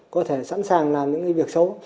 có thể sẵn sàng làm những việc xấu